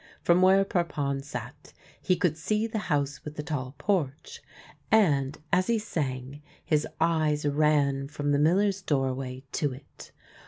From where Parpon sat he could see the House with the Tall Porch, and, as he sang, his eyes ran from the miller's doorway to it.